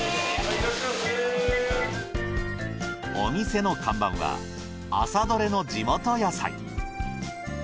お店の看板は朝採れの地元野菜。